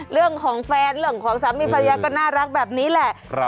เรื่องของแฟนเรื่องของสามีภรรยาก็น่ารักแบบนี้แหละ